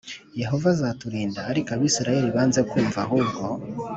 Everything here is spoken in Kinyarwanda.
Yehova azaturinda ariko abisirayeli banze kumva ahubwo